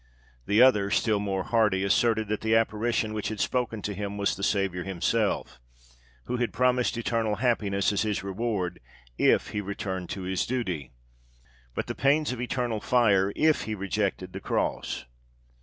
The other, still more hardy, asserted that the apparition which had spoken to him was the Saviour himself, who had promised eternal happiness as his reward if he returned to his duty, but the pains of eternal fire if he rejected the cross.